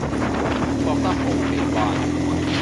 覺得好奇怪